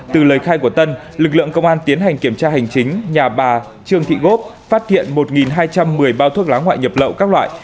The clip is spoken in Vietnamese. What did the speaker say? từ lời khai của tân lực lượng công an tiến hành kiểm tra hành chính nhà bà trương thị gốc phát hiện một hai trăm một mươi bao thuốc lá ngoại nhập lậu các loại